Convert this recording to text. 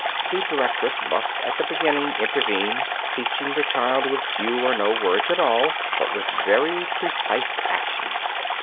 the directress must at the beginning intervene, teaching the child with few or no words at all, but with very precise actions.